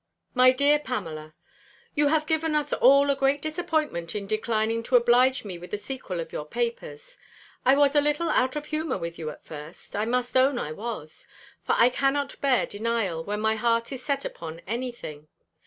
_ MY DEAR PAMELA, You have given us all a great disappointment in declining to oblige me with the sequel of your papers. I was a little out of humour with you at first; I must own I was: for I cannot bear denial, when my heart is set upon any thing.